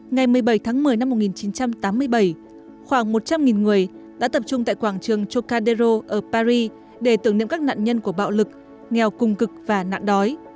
ngày một mươi bảy tháng một mươi năm một nghìn chín trăm tám mươi bảy khoảng một trăm linh người đã tập trung tại quảng trường chocadero ở paris để tưởng niệm các nạn nhân của bạo lực nghèo cung cực và nạn đói